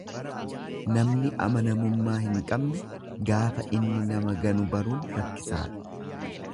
Namni amanamtummaa hin qabne gaafa inni nama ganu baruun rakkisaadha.